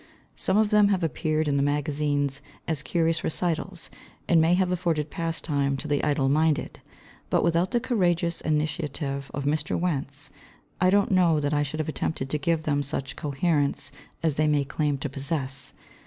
Some of them have appeared in the magazines as curious recitals and may have afforded pastime to the idle minded, but without the courageous initiative of Mr. Wentz I don't know that I should have attempted to give them such coherence as they may claim to possess.